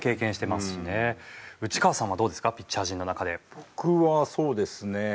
僕はそうですね。